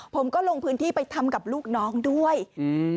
ผมก็ลงพื้นที่ไปทำกับลูกน้องด้วยอืม